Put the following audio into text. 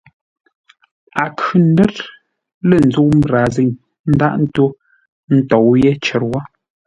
A khʉ̂ ńdə́r lə̂ ńzə́u mbrazîŋ ńdághʼ ńtó ńtóu yé cər wó.